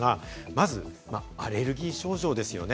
まずはアレルギー症状ですね。